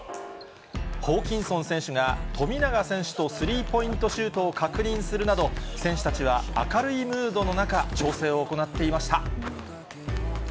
ホーキンソン選手が、富永選手とスリーポイントシュートを確認するなど、選手たちは明るいムードの中、調整を行っていました。